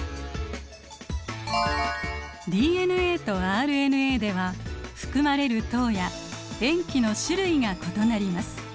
ＤＮＡとＲＮＡでは含まれる糖や塩基の種類が異なります。